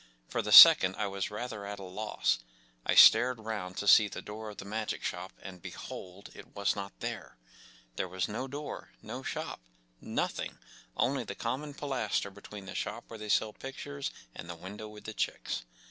For the second I was rather at a loss. I stared round to see the door of the magic ehop, and, behold, it was not there ! There was no door, no shop, nothing, only the common pilaster between the shop where they sell pictures and the window with the chicks